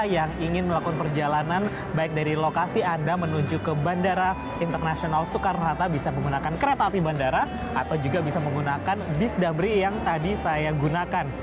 yang ingin melakukan perjalanan baik dari lokasi anda menuju ke bandara internasional soekarno hatta bisa menggunakan kereta api bandara atau juga bisa menggunakan bis dambri yang tadi saya gunakan